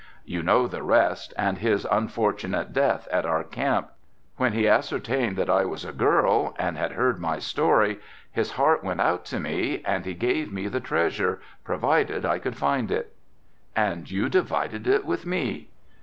You know the rest and his unfortunate death at our camp. When he ascertained that I was a girl and had heard my story his heart went out to me and he gave me the treasure, provided I could find it." "And you divided it with me."